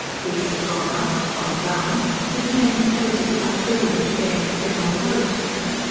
People had gone up, gone down had changed places like children at a game of General Post.